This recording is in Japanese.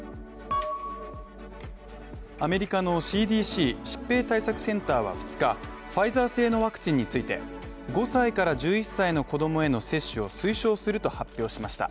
アメリカのＣＤＣ＝疾病対策センターは２日、ファイザー製のワクチンについて５歳から１１歳の子供への接種を推奨すると発表しました。